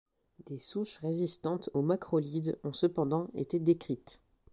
Des souches résistantes aux macrolides ont cependant été décrites.